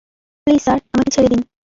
Please sir, আমাকে ছেড়ে দিন।